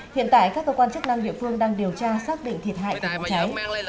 hiện tại các cơ quan chức năng địa phương đang điều tra xác định thiệt hại của vụ cháy